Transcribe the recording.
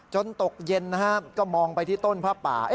จนตกเย็นนะครับก็มองไปที่ต้นภาพป่า